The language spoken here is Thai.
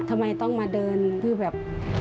ทำไมต้องมาเดินเพื่อแบบ